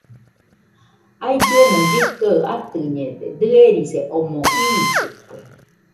Aillue kɨkɨaɨ atɨñede, dɨerise omo iitɨkue.